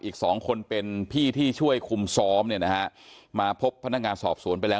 อีกสองคนเป็นพี่ที่ช่วยคุมซ้อมเนี่ยนะฮะมาพบพนักงานสอบสวนไปแล้ว